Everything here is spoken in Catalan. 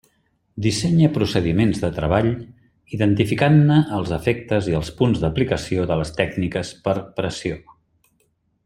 Dissenya procediments de treball identificant-ne els efectes i els punts d'aplicació de les tècniques per pressió.